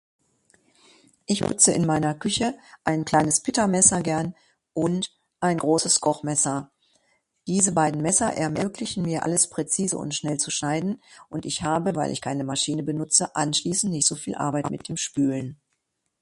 Ich [unintelligible] in meiner Küche ein kleines Bittermesser gern und ein großes Kochmesser, diese beiden Messer ermöglichen mir alles präzise und schnell zu schneiden und ich habe weil ich keine Maschine benutzte anschließend nicht so viel Arbeit mit dem spülen.